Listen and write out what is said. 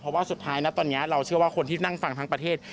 เพราะว่าสุดท้ายนะตอนนี้เราเชื่อว่าคนที่นั่งฟังทั้งประเทศ